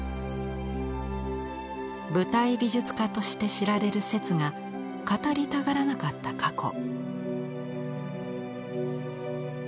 舞台美術家として知られる摂が語りたがらなかった過去。